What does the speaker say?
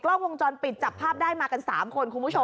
กล้องวงจรปิดจับภาพได้มากัน๓คนคุณผู้ชม